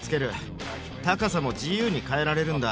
高さも自由に変えられるんだ。